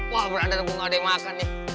wah beradar gua gak ada yang makan nih